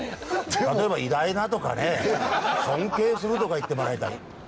例えば偉大なとかね、尊敬するとか言ってもらいたい。